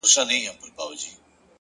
خپل ژوند د ارزښت وړ اثر وګرځوئ!.